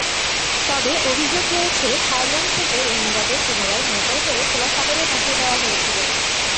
তবে অভিযোগ রয়েছে থাইল্যান্ড থেকে রোহিঙ্গাদের পুনরায় নৌকায় করে খোলা সাগরে ভাসিয়ে দেওয়া হয়েছিল।